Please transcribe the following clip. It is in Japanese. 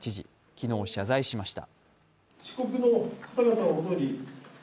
昨日、謝罪しました。